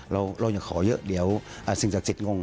เราอย่าขอเยอะเดี๋ยวสิ่งศักดิ์สิทงง